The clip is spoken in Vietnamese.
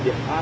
điều làm sao